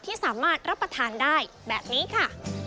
ที่สามารถรับประทานได้แบบนี้ค่ะ